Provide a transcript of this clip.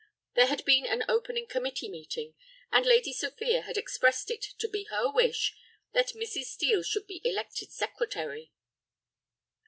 There had been an opening committee meeting, and Lady Sophia had expressed it to be her wish that Mrs. Steel should be elected secretary.